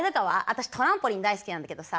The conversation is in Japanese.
私トランポリン大好きなんだけどさ